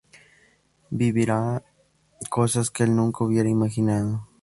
Vivirá cosas que el nunca hubiera imaginado.